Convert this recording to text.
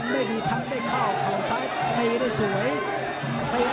เวทย์ต่างรับ